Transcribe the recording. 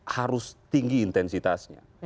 harus tinggi intensitasnya